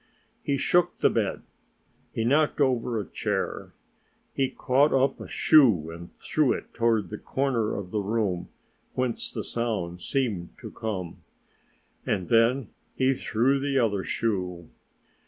He shook the bed. He knocked over a chair. He caught up a shoe and threw it toward a corner of the room, whence the sound seemed to come. And then he threw the other shoe.